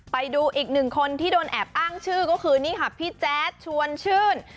ไปดูอีกหนึ่งคนที่โดนแอบอ้างชื่อก็คือนี่ค่ะพี่แจ๊ดชวนชื่น